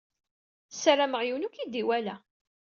Sarameɣ yiwen ur k-id-iwala.